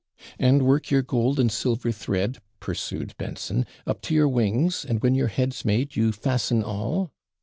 'And work your gold and silver thread,' pursued Benson, 'up to your wings, and when your head's made, you fasten all.'